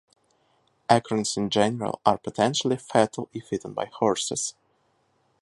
Acorns in general are potentially fatal if eaten by horses.